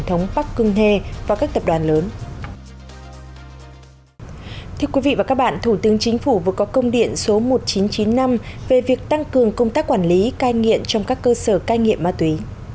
thưa quý vị và các bạn thủ tướng chính phủ vừa có công điện số một nghìn chín trăm chín mươi năm về việc tăng cường công tác quản lý cai nghiện trong các cơ sở cai nghiện ma túy